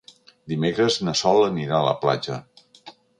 Dimecres na Sol anirà a la platja.